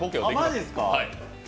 マジっすか？